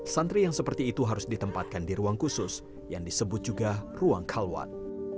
santri yang seperti itu harus ditempatkan di ruang khusus yang disebut juga ruang kalwat